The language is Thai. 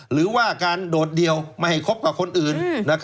หรือว่าการโดดเดียวไม่ให้คบกับคนอื่น